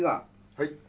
はい。